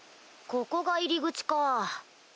ここが入り口か。